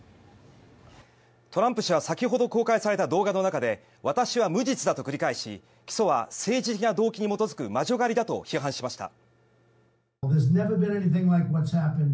トランプ氏は先ほど公開された動画の中で私は無実だと繰り返し起訴は政治的な動機に基づく魔女狩りだと批判しました。